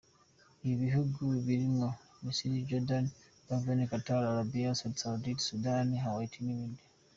Ibi bihugu birimo Misiri, Jordan, Bahrain, Qatar, Arabia Saudite, Sudani, Kuwait n’ibindi.